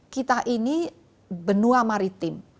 kita ini benua maritim